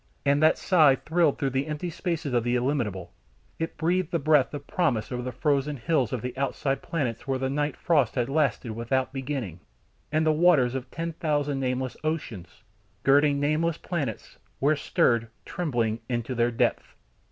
And that sigh thrilled through the empty spaces of the illimitable: it breathed the breath of promise over the frozen hills of the outside planets where the night frost had lasted without beginning: and the waters of ten thousand nameless oceans, girding nameless planets, were stirred, trembling into their depth.